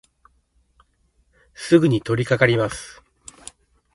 すぐにとりかかります。